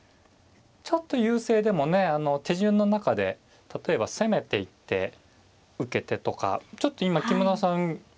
ちょっと優勢でもね手順の中で例えば攻めていって受けてとかちょっと今木村さん